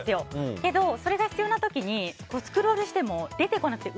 けど、それが必要な時にスクロールしても出てこなくて。